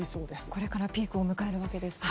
これからピークを迎えるわけですね。